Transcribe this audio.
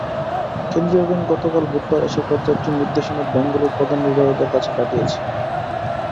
কেন্দ্রীয় ব্যাংক গতকাল বুধবার এ-সংক্রান্ত একটি নির্দেশনা ব্যাংকগুলোর প্রধান নির্বাহীদের কাছে পাঠিয়েছে।